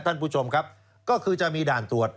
ท่านผู้ชมครับก็คือจะมีด่านตรวจ